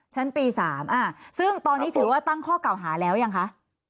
ชั้นปี๓ซึ่งตอนนี้ถือว่าตั้งข้อเก่าหาแล้วยังคะ